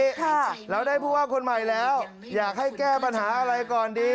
ค่ะเราได้ผู้ว่าคนใหม่แล้วอยากให้แก้ปัญหาอะไรก่อนดี